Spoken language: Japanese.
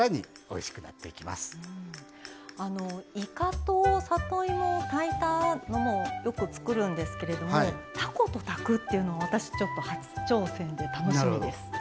あのいかと里芋を炊いたのもよく作るんですけれどもたこと炊くっていうのは私ちょっと初挑戦で楽しみです。